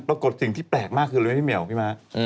ปรากฏสิ่งที่แปลกมากขึ้นเลยพี่แหมวพี่ม้า